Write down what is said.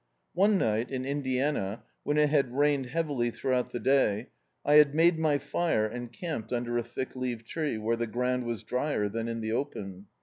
One night, in In diana, when it had nuned heavily throu^out the day, I had made my fire and camped under a thick leaved tree, where the ground was diyer than in the open.